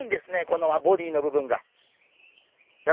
このボディーの部分が。